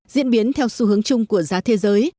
diễn biến theo xu hướng chung của giá thế giới